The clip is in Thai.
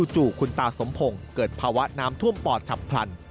จู่คุณตาสมพงศ์เกิดภาวะน้ำท่วมปอดฉับพลัน